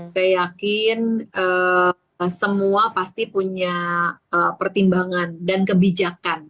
saya yakin semua pasti punya pertimbangan dan kebijakan